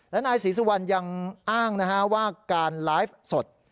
และนายศรีสุวรรณยังอ้างว่าการไลฟ์สด